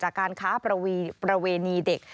การค้าประเวณีเด็ก